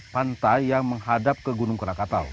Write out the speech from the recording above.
pantai yang menghadap ke gunung krakatau